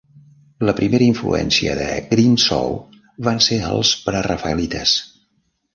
La primera influència de Grimshaw van ser els prerafaelites.